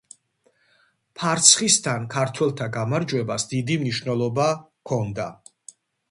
ფარცხისთან ქართველთა გამარჯვებას დიდი მნიშვნელობა ჰქონდა.